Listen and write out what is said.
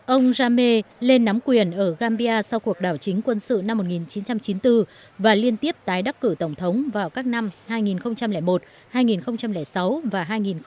ông jame lên nắm quyền ở gambia sau cuộc đảo chính quân sự năm một nghìn chín trăm chín mươi bốn và liên tiếp tái đắc cử tổng thống vào các năm hai nghìn một hai nghìn sáu và hai nghìn một mươi ba